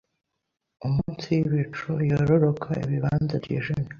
munsi yibicu yororoka ibibanza byijimye